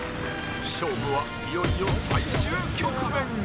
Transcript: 勝負はいよいよ最終局面へ